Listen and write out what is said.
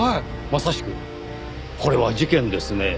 まさしくこれは事件ですねぇ。